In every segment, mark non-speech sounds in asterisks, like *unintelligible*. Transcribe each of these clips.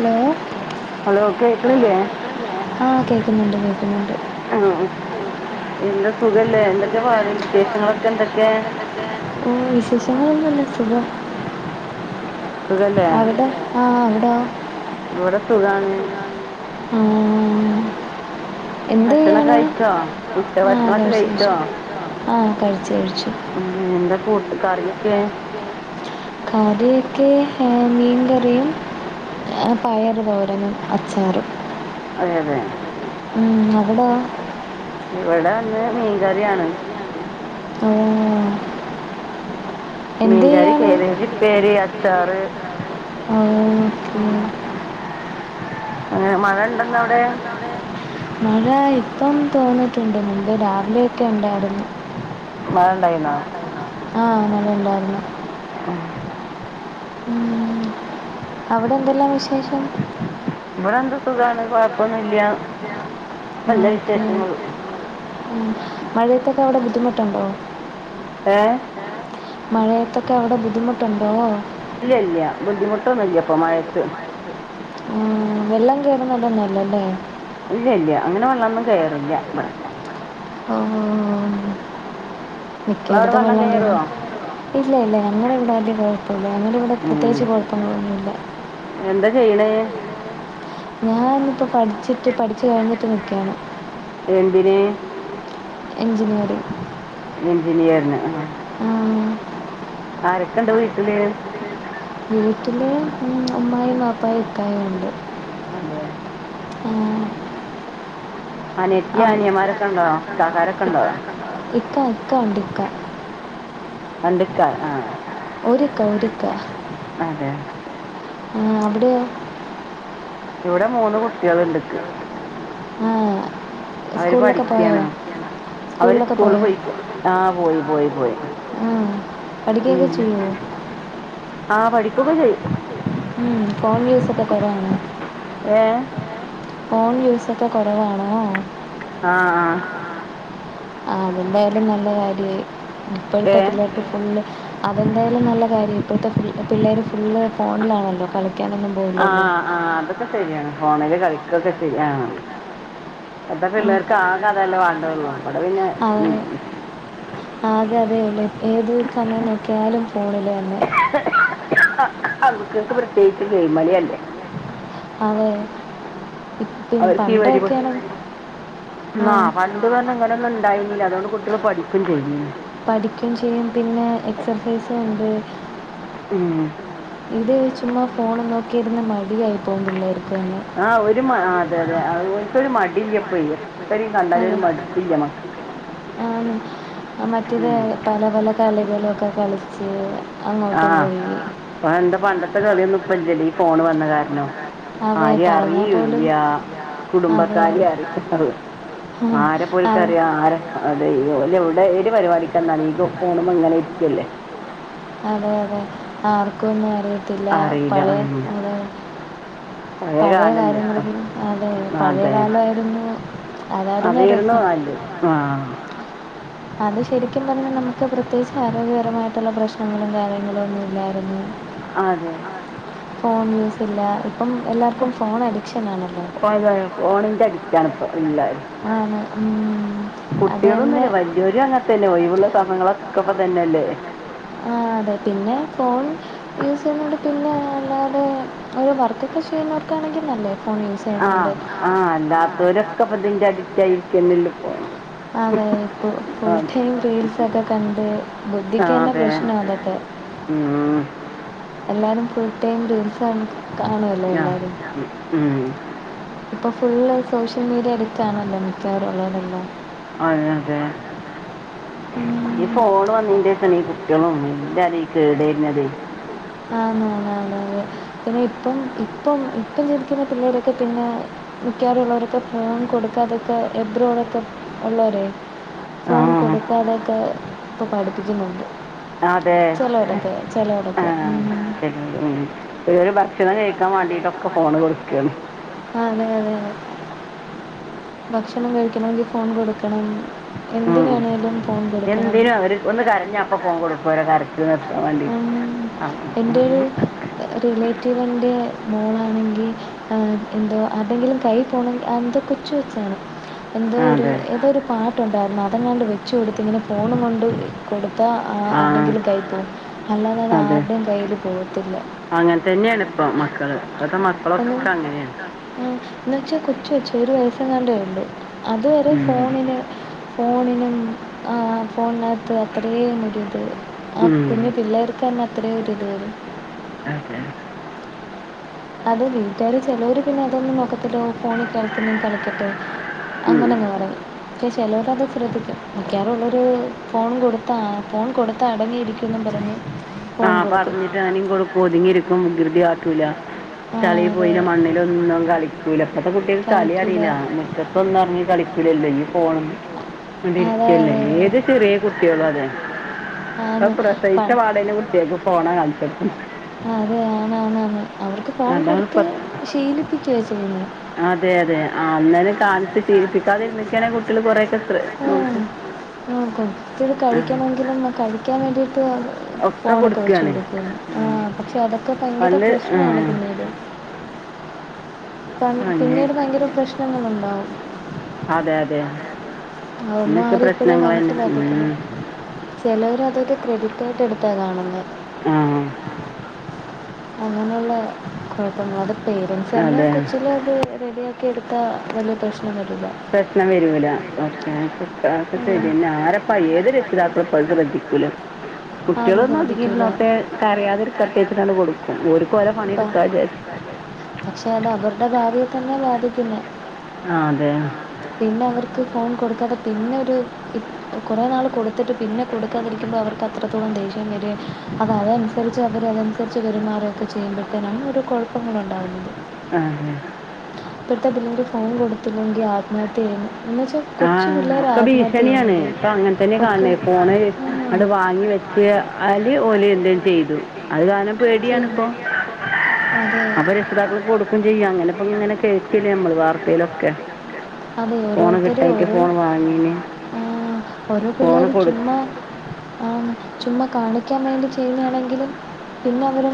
Hello hello. കേൾക്കണില്ലേ? ആഹ്. കേക്കുന്നുണ്ട് കേക്കുന്നുണ്ട്. ആഹ്. എന്താ സുഖല്ലേ. എന്തൊക്കെ പാട്. വിശേഷങ്ങളൊക്കെ ന്തൊക്കെ. ആഹ്. വിശേഷങ്ങളൊന്നുല്ല. സുഖ. സുഖല്ലേ അവ്ട. ആഹ് അവ്ടൊ. ഇവിടെ സുഖാണ്. ആഹ് ഭക്ഷണൊക്കെ എന്തയ്യാണ് കഴിച്ചോ ഉച്ച ആഹ് ഭക്ഷണൊക്കെ കഴിച്ചോ *unintelligible* ആഹ് കഴിച്ചു കഴിച്ചു ഉം എന്താ കൂട്ട് കറിയൊക്കെ കറിക്ക് ആഹ് മീൻകറിയും ആഹ് പയറ് തോരനും അച്ചാറും അതെ അതെ ഉം അവിടോ ഇവിടെ ഇന്ന് മീൻകറിയാണ് ഓഹ് മീൻകറി കേബേജ് ഞാൻ ഉപ്പേരി ചെയ്തിട്ട് പേര് അച്ചാറ് കർത്താവ് ഓക്കെ ഉം അങ്ങനെ അങ്ങനെ മഴ ഉണ്ടോ ഇന്നവിടെ മഴ ഇപ്പം തോന്നിട്ടുണ്ട് മുമ്പ് രാവിലെയൊക്കെ ഉണ്ടായിരുന്നു മഴ ഉണ്ടായിന്നോ ആഹ് മഴ ഉണ്ടാരുന്നു ആഹ് ഉം അവിടെ എന്തെല്ലാം വിശേഷം ഇവിടെ എന്താ സുഖാണ് കൊഴപ്പം ഒന്നും ഇല്യ ഉം ഉം മഴയത്തൊക്കെ അവിടെ ബുദ്ധിമുട്ടുണ്ടോ ഏഹ് മഴയത്തൊക്കെ അവിടെ ബുദ്ധിമുട്ടുണ്ടോ ഇല്ല ഇല്ല ബുദ്ധിമുട്ടൊന്നുമില്ല ബുദ്ധിമുട്ടൊന്നുംല്ല ഇപ്പ മഴയത്ത് ആഹ് വെള്ളം കയറുന്നിടം ഒന്നുമല്ലല്ലേ ഇല്ലല്ല അങ്ങനെ വെള്ളന്നും കയറില്ല ഇവിടെ ഓഹ് നിങ്ങളവിടെ മിക്കടുത്തും വെള്ളം കയറി കയറുമോ ഇല്ല ഇല്ല ഞങ്ങള ഇവിടെ വലിയ കുഴപ്പല്ല ഞങ്ങള ഇവിടെ ഉം. പ്രത്യേകിച്ച് കുഴപ്പങ്ങളൊന്നുമില്ല എന്താ ചെയ്യണെ ഞാനിപ്പോ പഠിച്ചിട്ട് പഠിച്ചു കഴിഞ്ഞിട്ട് നിക്കുകയാണ് എന്തിന് എഞ്ചിനീയറിംഗ് എഞ്ചിനീയറിന് ആഹ് ആഹ് ആരൊക്കെണ്ട് വീട്ടില് വീട്ടില് ഉമ്മായും ബാപ്പായും ഇക്കായും ഉണ്ട് അതേ ആഹ് അനിയത്തിയോ അനിയൻമാരൊക്കെ ഉണ്ടോ അനിയന്മാരൊക്കെ ഇക്കാക്കാരൊക്കെ ഉണ്ടോ ആൾക്കാരൊക്കെ ഇക്ക ഇക്ക ഒണ്ട് ഇക്ക രണ്ടിക്കാ ആഹ് ഒരിക്ക ഒരിക്ക അതെ ആഹ് അവിടെയോ ഇവിടെ മൂന്ന് കുട്ടികൾണ്ട് ൻക്ക് ആഹ് അവര് സ്കൂളിലൊക്കെ പോയൊ പഠിക്കാണ് അവര് സ്കൂള് പോയി ആഹ് പോയി പോയി പോയി. ഉം പടിക്കൊക്കെ ചെയ്യോ ആഹ് പഠികെക്കെ ചെയ്യും. ഉം ഫോൺ യൂസക്കെ കുറവാണോ. ഏ ഫോൺ യൂസ ഒക്കെ കുറവാണോ? ആഹ ആഹ ആഹ അതെന്തായാലും നല്ല കാര്യയി ഏ ഇപ്പോഴത്തെ പി ഫുള്ള് അതെന്തായാലും നല്ല കാര്യം ഇപ്പോഴത്തെ ഫു പിള്ളേർ ഫുള്ള് ഫോണിലാണല്ലോ കളിക്കാനൊന്നും. ആഹ പോവില്ലല്ലോ ആ ആഹ അതൊക്കെ ശരിയാണ് ഫോണില് കളിക്കൊക്കെചെയ്യ ആഹ ഇപ്പത്തെ പിള്ളേർക്ക് ആകെ അതെല്ലേ വാണ്ടള്ളൂ ഇവിടെ പിന്നെ ആ ഫോണിൽ കളിക്കുമ്പോ തന്നെയാണ് ഇപ്പത്തെ പിള്ളേർക്ക് ആകെ അതല്ലേ വേണ്ടു ഉ അതെ അതെയല്ലേ ഏത് സമയം നോക്കിയാലും ഫോണില് തന്നെ. ആൺകുട്ടികൾക്ക് പ്രത്യേകിച്ച് ഗെയിമളിയല്ലേ. അതെ ഇപ്പും അവർക്ക് ഈ പരിപാ പണ്ടക്കെയാണ് മ് ആഹ് പണ്ട് പറഞ്ഞ ഇങ്ങനൊന്നും ഉണ്ടായിന്നില്ല അതുകൊണ്ട് കുട്ടികൾ പഠിക്കും ചെയ്തിനി *inaudible* പഠിക്കുകയും ചെയ്യും പിന്നെ എക്സർസൈസും ഉണ്ട്. ഉം ഇത് ചുമ്മാ ഫോൺ നോക്കിയിരുന് മടിയായി പോകു പിളെർക്ക് തന്നെ. ആഹ ഒരു ആ അവര് അതെ മ- ആ, അതെ ഓല്ക്കൊരു ഭയങ്കര മടില്ലപ്പയന്. മടിയാ ഇപ്പഴേ. ആണ് മറ്റേത് ഉം പല പല. കളികളൊക്കെ കളിച്ച് അങ്ങോട്ടും പോയി. പണ്ട് പണ്ടത്തെ അന്ന് കളിയൊന്നും ഇപ്പ ഇല്ലടി ഈ ഇപ്പൊ ഫോണ് ഇല്ലെടി വന്ന ഫോൺ കാരണം കാരണം അതെ ആരെ പറഞ്ഞാ പോലും അറിയല്ല ഇല്ല അതെ കുടുംബക്കാരേ കുടുംബക്കാരിയാണ് ഉം, ആരെ അതെ പോലിക്കറിയ ആരെ. നമുക്കൊരിക്കറിയാം അതെ ഓല് ഏത് ഇവിടെ ഒരു പരിപാടിക്ക് വന്നാലും ഈ പോണു മെ ഇങ്ങനെ എല്ലാവർക്കും ഇരിക്കല്ലേ. ഫോണുണ്ടെങ്കിൽ കിട്ടൂല അതെ അതെ ആർക്കെന്നും അറയിത്തില്ല അറിയില്ല പഴെ ഉം *inaudible* പഴയ കാലല്ലേ കാലങ്ങള ഇപ്പൊ അതെ പഴയ കാലയിരുന്നു. അതരുന്നു നല്ലെ ആഹ അത് ശരിക്കും പറഞ്ഞാ നമുക്ക് പ്രത്യേകിച്ച് ആരോഗ്യകരമായിട്ടുള്ള പ്രശ്നങ്ങളും കാര്യങ്ങളും ഒന്നും ഇല്ലായിരുന്നു. ആഹാ അതെ ആഹ് ഫോൺ യൂസ് ഇല്ല ഇപ്പം എല്ലാർക്കും ഫോൺ അഡിക്ഷൻ ആണല്ലോ. *inaudible* ഫോണിന്റെ അഡിറ്റ് ആണ് ഇപ്പ എല്ലരും. ആണ്, ഉം അത് തന്നെ കുട്ടികളൊന്നുംല്ല വല്യൊരു അങ്ങന തന്നെ ഒഴിവുള്ള സമയങ്ങളൊക്കപ്പ ഇത് തന്നെയല്ലേ. ആഹ അതെ പിന്നെ ഫോൺ യൂസ് ചെയ്യുന്നണ്ട് പിന്നെ അല്ലാതെ. ഒരു വർക്കെ ചെയ്യുന്നവർക്കാണെങ്കിൽ നല്ലേ ഫോണ ആഹ് ആഹ് അല്ലാത്തവരൊക്കെപ്പ ഇതിന്റെ അഡിറ്റ ആയിരിക്കല്ലല്ലോപ്പോ. അതെ ഇ ഫുൾ ടൈം റീൽസൊക്കെ കണ്ട് ബുദ്ധിക്ക് തന്ന പ്രശ്നം അതൊക്കെ മുആഹ എല്ലാരും ഫുൾ ടൈം റീൽസ് കാണുല്ലോ ആഹ് എല്ലാരും ഉം ഇപ്പൾ ഫുള്ള് സോഷ്യൽ മീഡിയ എടുക്കാണല്ലോ മിക്കവറുംള്ളവരെല്ലോ. അതെ അതെ അതന്നെ ഉം ബ ഫോണ് വന്നീന്റെ ശേണ് ഈ വന്നതിന് കുട്ടിയളുംഎല്ലാരും കേട് വരുന്നതെ. ആന്നന്ന പിന്നെ ഇപ്പം ഇപ്പം ഇപ്പം ജീവിക്കുന്ന പിള്ളേടെൊക്കെ പിന്നെ മിക്കാറുള്ളവരൊക്കെ ഫോൺ കൊടുക്കാ അതൊക്കെ എബ്രോടൊക്കെ ഉള്ളവര. ഫോണ് ആഹ് കൊടുക്കാതെയൊക്കെ ഇപ്പ പഠിപ്പിക്കുന്നുണ്ട് അതെ ചെലോരൊക്കെ ചെലോരൊക്കെ ഉം ആഹ ച ഉം ചിലൊരു ഭക്ഷണം- കുട്ടികള് കഴിക്കാൻ വേണ്ടിട്ടൊക്കെ- ഫോണ് കൊടുക്കണ്. ആഹ്‌, അതെ, അതെ, ഭക്ഷണം- കഴിക്കണമെങ്കിൽ ഫോൺ- കൊടുക്കണം. ഉം എന്തിനാണേങ്കലും ഫോൺ- കൊടുക്കണം. എന്തിനും അവര് ഒന്ന് കരഞ്ഞ അഅപ്പോ ഫോൺ കൊടുക്കുവ, ഒരകരച്ചില്- ആഹ്‌ എന്റെ- റിലേറ്റീവിൻ്റെ മോളാണെങ്കിൽ- എന്തോ അതെങ്കിലും കയ്യി- പോകണമെങ്കിൽ എന്തൊക്ക- ചോയിചോ. എന്തോ ഒരു, അതെ ഏതോ ഒരു, പാട്ടുണ്ടായിരുന്നു അതെങ്ങാണ്ട്- വെച്ച് കൊടുത്ത് ഇങ്ങനെ- ഫോൺകൊണ്ട്- കൊടുത്താൽ ആ ആരെങ്കിലും- കൈയി പോകവും അല്ലാതെ അത്- അതെ ആരുടെയും കയ്യിൽ പോകത്തില്ല. അങ്ങനെ തന്നെയാണ് ഇപ്പ മക്കള്, ഇപ്പാതെ- എന്ന വെച്ചാ കൊച്ചുവെച്ചഒരു- വയസ്സ കാണ്ടേ ഉള്ളു. അതരെ ഉം. ഫോണിന് ഫോണിനും. ആഹ് ഫോണിനകത്ത് അത്രയേ- നാടത് ആ ഉം. കുഞ്ഞു- പിള്ളേർക്കാന്ന - അത്രയും ഒരിത് വരും. അതെ, അത് വീട്ടുകാര് ചിലര് പിന്നെ- അതൊന്നും നോക്കത്തിലോ, ഫോണിൽ കളിക്കുന്നും കളിക്കട്ടെ. ഉം. അങ്ങനെങ്ങങ്ങ് പറയും. പക്ഷെ ചിലർ അത് ശ്രദ്ധിക്കും. മിക്കാറുള്ളൊരു ഫോൺ- കൊടുത്താ, ഫോൺ കൊടുത്താ അടങ്ങിയിരിക്കും. പിന്നെ പറഞ്ഞു. ആ പറഞ്ഞിട്ട് അനും- കൊടുക്കും. ഒതുങ്ങിയിരിക്കും, വികൃതി കാട്ടൂല. ആ ചളി ബാക്കിക്കാണെങ്കി നമുക്ക് ഒതുങ്ങിയിരിക്കും കളിക്കാറില്ല ആ അതെ പോയില്ല, മണ്ണില ഒരു ഒന്നും- മണ്ണിലും നിന്നും കളിക്കൂല ഇപ്പഴത്തെ കളിക്കൂല കുട്ടികക്ക്- കളി കളിക്കൂല അറിയില്ല മുറ്റത്ത്- ന്നും ഇറങ്ങി കളിക്കില്ലല്ലോ? ഈ ഫോൺ ഒന്ന്- അതി അതല്ല ഇരിക്കല്ലേ, എന്തായാലും കളിക്കൂലല്ലോ ഏത് ചെറിയ- കുട്ടികളും അതെന്നെ. ഇപ്പൊ ഇപ്പോ ഫോണ് അതെ അതെ അതെ ഏത് ചെറിയ കുട്ടികളാണ് ആന്ന് പ പ്രസവിച്ച ഇപ്പളാണെങ്കി പാടേകുട്ടികക്ക്- ഫോണാ കാണിച്ചെടുക്കു. ഗെയിംസാ അതെ ആണ്, ആണ്, ആണ്. അവർക്ക് ഫോൺ അതാണ് കൊടുത്ത്- ഇപ്പത്തെ ശീലിപ്പിച്ചു വച്ചട്ടു. അതെ, അതെ, അന്നേനെ കാണിച്ച്- കാലത്ത് ശീലിപ്പിക്കാതിരുന്നക്കാണ് കുരുതില്ലാതെ കുട്ടികൾ കൊറേ യൊക്കെ നോക്കും ആഹ്‌ ആ കൈയ്കഴിക്കണമെങ്കിലും കഴ- ക്കാൻ വേണ്ടിയിട്ട്- ഒക്കെ ഫോണൊക്കെ വെച്ച്- കൊടുക്കുകയാണ് കൊടുക്കാണ്. ഉം. ആഹ്‌ പക്ഷെ അതൊക്കെ- ഭയങ്കര പണ്ട് ആ പ്രശ്നമാണ് പിന്നീട്. പ അങ്ങനെ പിന്നീട് ഭയങ്കര പ്രശ്നങ്ങൾ- ഉണ്ടാകും. അതെ, അതെ. അന്ന ഇന്നൊക്കെ ആരിപ്പോളെ- പ്രശ്നങ്ങൾ തന്നെ മനസ്സിലാക്കിട്ടില്ല. ഉം. ചിലവർ അത് ക്രെഡിറ്റായിട്ട്- എടുത്താണ് കാണുന്നെ. ഉം.. ആഹ്. അങ്ങനെയുള്ള കുഴപ്പങ്ങുടെ- പേരെന്റ്സ് തന്നെ അതെ കൊച്ചില- അത്- റെഡിയാക്കി എടുത്താൽ- വാല്ലിയ പ്രശ്നം വരില്ല. പ്രശ്നം വരൂല ഓക്കെ. അപ്പ പ്രശ്നം വരുന്നില്ല ശരി എന്നെ ആരപ്പാ എല്ലാരെ ഏത്- പഴയത് രക്ഷിതാക്കൾക്ക് രക്ഷിതാക്കളപ്പതശ്രദ്ധിക്കൂല. കുട്ടികളൊന്നും ഒതുങ്ങി- ശ്രദ്ധിക്കൂല അത് ശ്രദ്ധിക്കൂല ഇരുന്നോട്ടെ, കരായതെ- ഇപ്പൊക്കെ ഇരിക്കട്ടെ അറിയാതെ വെച്ചിട്ട കൊടുക്കും. ഒരുക്ക് ഓർടാ- പണി ശ്രദ്ധിച്ചാൽ എടുക്കാ വിചാച്ചു. പക്ഷെ അത് അവരുടെ ഭാര്യയെ- തന്നെ ബാധിക്കുന്നേ. ആഹ്‌, അതെ. പിന്നെ അവർക്ക് ഫോൺ- കൊടുക്കാതെ പിന്നെ ഒരു കുറെ- നാള് കൊടുത്തിട്ട് പിന്നെ കൊടുക്കാതിരിക്കുമ്പോ അവർക്ക്- എത്രത്തോളം ദേഷ്യം വരി അത്- അതനുസരിച്ച്, അവരതനുസരിച്ച് പേരുമാരൊക്കെ ചെയ്യുമ്പോഴത്തേ- നമ്മ ഒരുഴ- അങ്ങനെ ഉണ്ടാകുന്നത്. ആഹ്‌, അതെ. ഇപ്പടുത്തെ പിെങ്ക ഒരു ഫോൺ കൊടുത്തില്ലെങ്കിൽ ആത്മഹത്യായിന്നു എന്ന വെച്ച ആഹ് ഒക്കെ ഭീഷണിയാണ് ഇപ്പൊ അങ്ങനെ തന്നെ ഒക്കെ കാണണ ആ ഫോണ് അണ്ട് വാങ്ങി വെച്ച ഓല് എന്തും ചെയ്തു അത് കാരണം ചെയ്യും പേടിയണിപ്പൊ അതെ അപ്പൊ രക്ഷിതാക്കൾ കൊടുക്കും ചെയ്യും അങ്ങനെപ്പ ഇങ്ങനെ കേക്കല്ലേ നമ്മൾ വാർത്തയിലൊക്കെ അതെ ഫോണ് ഓരോരുത്തരും കിട്ടായിട്ട് ഓരോ ഫോൺ വാങ്ങിന് ഓരോ ഫോണ് പിള്ളേരും കൊടു ചുമ്മാ ആഹ് ചുമ്മാ കാണിക്കാൻ വേണ്ടി ചെയ്യുന്നയാണെങ്കിലും പിന്നെ അവര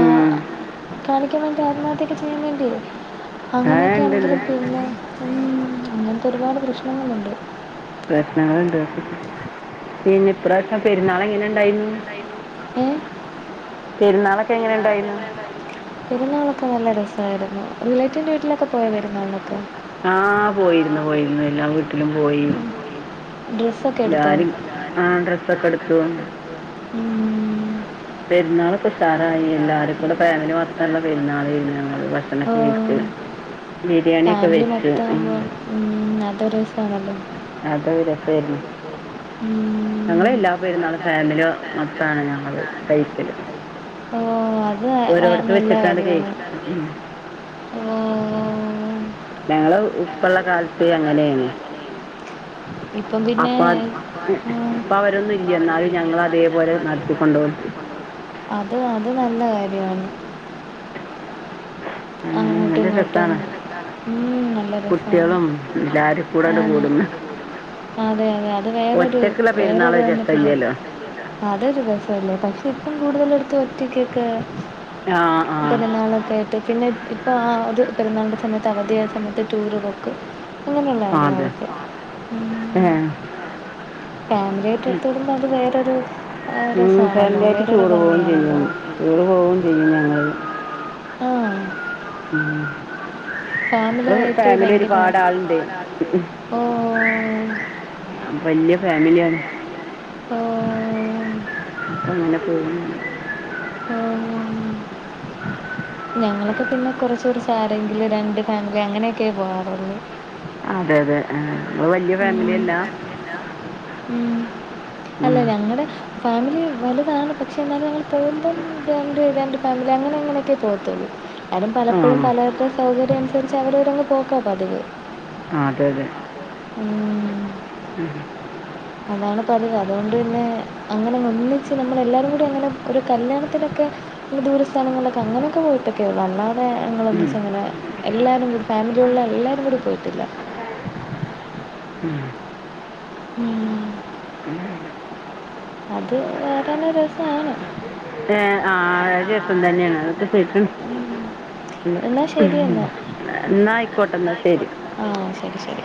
ആഹ് കാണിക്കാൻ വേണ്ടി ആത്മാഹത്യൊക്കെ ചെയ്യാൻ വേണ്ടി ആ ഉണ്ട് ഉണ്ട് അങ്ങനെയൊക്കെയാണെങ്കിലും പിന്നെ ഉം അങ്ങനത്തെ ഒരുപാട് പ്രശ്നങ്ങളുണ്ട് പ്രശ്നങ്ങളുണ്ട് ഇനി പ്രാവശ്യം പെരുന്നാൾ എങ്ങനെ ഇണ്ടായിന്ന് ഏഹ് പെരുന്നാളൊക്കെ എങ്ങനെ ഉണ്ടായിന്ന് പെരുന്നാളൊക്കെ നല്ല രസമായിരുന്നു റിലേറ്റിന്റെ വീട്ടിലൊക്കെ പോയ വെരുന്നാളൊക്കെ ആഹ് പോയിരുന്നു പോയിരുന്നു എല്ലാ വീട്ടിലും പോയി ഡ്രസ്സൊക്കെ എടുത്തോ ഞാലും ആഹ് ഡ്രസ്സൊക്കെ എടുത്തു ഉം പെരന്നാളോക്ക ഉസാറായി എല്ലാരും കൂടെ ഫാമിലി മൊത്തള്ള പെരുന്നാൾരുന്നു ഞ ഭക്ഷണക്കെ കഴിച് ഓ ബിരിയാണി ഒക്കെ വെച്ചു ഉം അതൊരു പറല്ലേ അതരു രസായിരുന്നു ഉം. ഞങ്ങളെ എല്ലാ പെരുന്നാള ഫാമിലിയോ മൊത്തമാണ് ഞങ്ങത് കഴിക്കല് ഓഹ് അത് വ- ഓരോടത്ത നല്ല വെച്ചിട്ടാണ് കാര്യമാണ് കേയ്ക്ക ഉം ഓ ഞങ്ങള് ഉപ്പള്ള കാല ുള്ള കാലത്തെ അങ്ങനെയാണ് ഇപ്പം പിന്നെ അപ്പം അത് ഇപ്പം അവരൊന്നും ഇല്ല എന്നാലും ഞങ്ങൾ അതേപോലെ നടത്തിക്കൊണ്ടുപോകും അത് അത് നല്ല കാര്യമാണ് അങ്ങനെ അങ്ങോട്ടും നല്ല ഇങ്ങോട്ടും രസാണ് ഉം നല്ല രസമാണ് കുട്ടികളും എല്ലാരും കൂടെ അങ്ങട് ആഹ് കൂടുന്നു അതെ അതെ അത് വേറൊരു ഒറ്റക്കുള്ള പെരുന്നാൾ വേറൊരു ഒരു വന്നിട്ട രസമില്ലല്ലോ അതൊരു രസല്ലേ പക്ഷെ ഇപ്പം കൂടുതല എടുത്ത് ഒറ്റക്കൊക്കെ ആ ആ പെരുന്നാളൊക്കെ പിന്നെ ഇപ്പോൾ ആഹ് ഒരു പെരുന്നാളുടെ സമയത്ത് അവധിയായ സമയത്ത് ടൂറ് ബോക്ക് അങ്ങനെയുള്ള കാര് അതെ അവക്കെ ഏ ഫാമിലിയായിട്ട് എടുത്ത *unintelligible* അത് വേറൊരു ഉം രസമാണല്ലോ ഫാമിലിയ ആയിട്ട് വേറൊരു ടൂർ പോവയും ഭംഗിയാണല്ലോ ചെയ്യും ടൂർ പോവയും ചെയ്യും ഞങ്ങള് ആഹ് ഉം ആയിട്ട് ഫാമിലി ഭയങ്കര ഒരുപാട് ആളണ്ട് ഓ വല്യ ഫാമിലിയാണ് ഓഹ് അപ്പ അങ്ങനെ പോകുന്നു ഞങ്ങളൊക്കെ പിന്നെ കൊറച്ചൂടി സാരങ്കില് രണ്ട് ഫാമിലി അങ്ങനെയൊക്കെയേ പോകറുള്ളൂ അതെ അതെ ആ നിങ്ങൾ വലിയ ഫാമിലി അല്ല ഉം അല്ല ഉം ഞങ്ങടെ ഫാമിലി വലുതാണ് പക്ഷേ എന്നാലും ഞങ്ങൾ പോകുമ്പം ജോയിൻറ് ചെയ്താൻണ്ട് ഫാമിലി അങ്ങനെ അങ്ങനെയൊക്കെ പോകത്തുള്ളൂ ആരും പലപ്പോഴും പലരുടെ സൗകര്യം അനുസരിച്ച് അവിടെവരങ്ങ് പോക്കാം പതിവ് ആഹ് അതെ അതെ ഉം. ഉം അതാണ് പതിവ് അതുകൊണ്ട് തന്നെ അങ്ങനെ ഒന്നിച്ച് നമ്മളെല്ലാവരും കൂടി അങ്ങനെ ഒരു കല്യാണത്തിനൊക്കെ ദൂരസ്ഥാനങ്ങളൊെ അങ്ങനൊക്കെ പോയിട്ടൊക്കെ ഉള്ളൂ അല്ല അങ്ങനെ ഉം ഞങ്ങളൊന്നച്ച് അങ്ങനെ എല്ലാവരും കൂടി ഫാമിലിയുള്ള എല്ലാവരും കൂടി പോയിട്ടില്ല ഉം ഉം അത് രസമാണ് ഏർ ആഹ രസം തന്നെയാണ് രസം അതൊക്കെ തന്നെയാണ് സരിക്ക എന്നാൽ ശരി എന്നാൽ എന്നാ ആയിക്കോട്ടെ എന്നാ ശരി ആഹ് ശരി ശരി